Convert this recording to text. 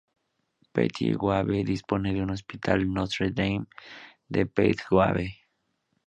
Petit-Goâve dispone de un hospital, "Notre-Dame de Petit-Goâve".